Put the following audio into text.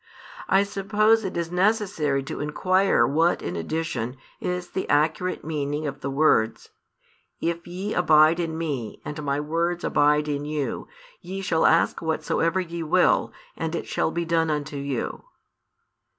I suppose |389 it is necessary to inquire what in addition is the accurate meaning of the words: If ye abide in Me, and My words abide in you, ye shall ask whatsoever ye will, and it shall be done unto you.